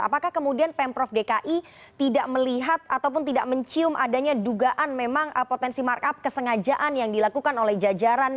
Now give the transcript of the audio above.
apakah kemudian pemprov dki tidak melihat ataupun tidak mencium adanya dugaan memang potensi markup kesengajaan yang dilakukan oleh jajaran